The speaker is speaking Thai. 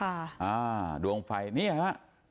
อ่าดวงไฟนี่ฮะอ่า